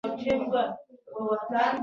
سپي د انسان له امرونو سره عادت کېږي.